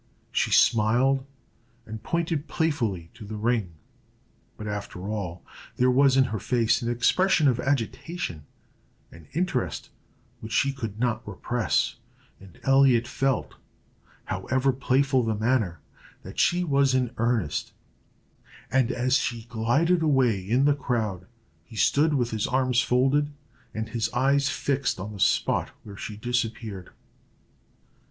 She smiled, and pointed playfully to the ring; but after all, there was in her face an expression of agitation and interest which she could not repress, and Elliot felt, however playful the manner, that she was in earnest; and as she glided away in the crowd, he stood with his arms folded, and his eyes fixed on the spot where she disappeared.